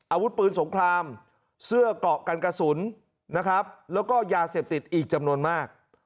อาวุธปืนสงครามเสื้อเกาะกันกระสุนนะครับแล้วก็ยาเสพติดอีกจำนวนมาก